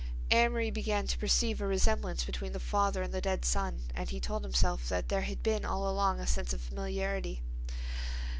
Amory began to perceive a resemblance between the father and the dead son and he told himself that there had been all along a sense of familiarity.